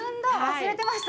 忘れてました。